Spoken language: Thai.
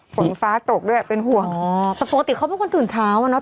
ฝนฟ้าตกด้วยเป็นห่วงอ๋อแต่ปกติเขาเป็นคนตื่นเช้าอ่ะเนอ